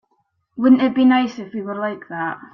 Wouldn't it be nice if we were like that?